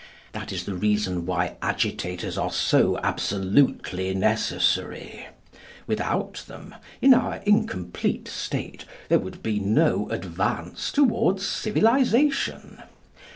That is the reason why agitators are so absolutely necessary. Without them, in our incomplete state, there would be no advance towards civilisation.